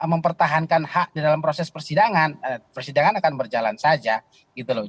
mempertahankan hak di dalam proses persidangan persidangan akan berjalan saja gitu loh